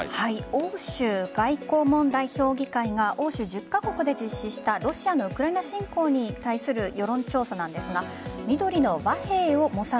欧州外交評議会が欧州１０カ国で実施したロシアのウクライナ侵攻に対する世論調査なんですが緑の和平模索